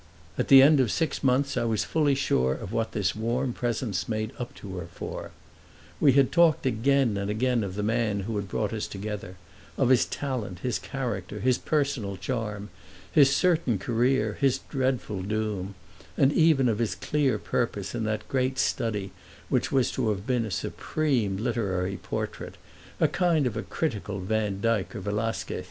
At the end of six months I was fully sure of what this warm presence made up to her for. We had talked again and again of the man who had brought us together—of his talent, his character, his personal charm, his certain career, his dreadful doom, and even of his clear purpose in that great study which was to have been a supreme literary portrait, a kind of critical Vandyke or Velasquez.